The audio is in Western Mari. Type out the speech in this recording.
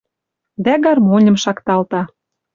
Дӓ гармоньым шакталта.